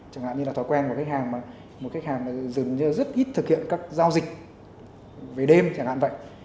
chẳng hạn như là thói quen của khách hàng mà một khách hàng dường như rất ít thực hiện các giao dịch về đêm chẳng hạn vậy